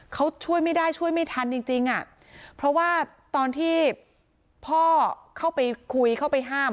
เขาช่วยไม่ได้ช่วยไม่ทันจริงจริงอ่ะเพราะว่าตอนที่พ่อเข้าไปคุยเข้าไปห้าม